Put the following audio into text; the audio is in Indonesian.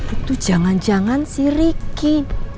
itu jangan jangan si ricky